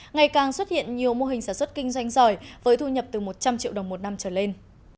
ngày càng xuất hiện nhiều mô hình sản xuất kinh doanh giỏi với thu nhập từ một trăm linh triệu đồng một năm trở lên